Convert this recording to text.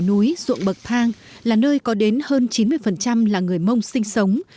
đồi nội đồi núi ruộng bậc thang là nơi có đến hơn chín mươi là người mông sinh sống